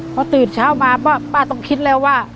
พอตื่นเช้ามาป้าต้องคิดแล้วว่า